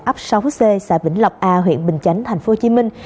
ấp sáu c xã vĩnh lộc a huyện bình chánh thành phố hồ chí minh